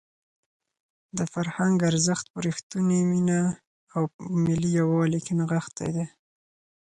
د فرهنګ ارزښت په رښتونې مینه او په ملي یووالي کې نغښتی دی.